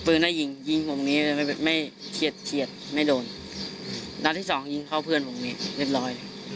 ฟื้นให้ยิงยิงผมนี้ทีอาจจะไม่เคียดไม่โดนด้านที่สองยิงข้าวเพื่อนผมเนี่ยเรียบร้อย